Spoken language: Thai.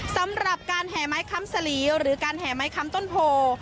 สำหรับการแหม้คัมสลีหรือการแหม้คัมต้นโภ